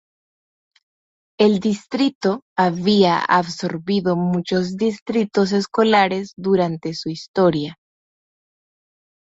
El distrito había absorbido muchos distritos escolares durante su historia.